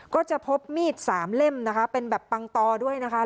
ก็จะพบมีดสามเล่มนะคะเป็นแบบปังตอด้วยนะคะ